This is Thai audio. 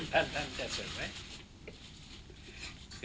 ท่านแจ้งเสริมไหม